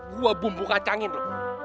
gua bumbu kacangin lu